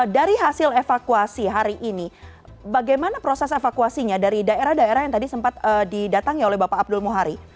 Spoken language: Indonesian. dari hasil evakuasi hari ini bagaimana proses evakuasinya dari daerah daerah yang tadi sempat didatangi oleh bapak abdul muhari